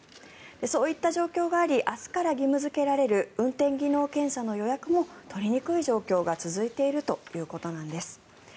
そういった状況があり明日から義務付けられる運転技能検査の予約も取りにくい状況が続いているということなんです。